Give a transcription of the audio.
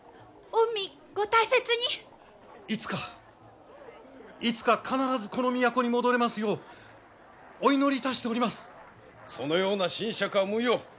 いつかいつか必ずこの都に戻れますようお祈りいたしております。そのようなしん酌は無用。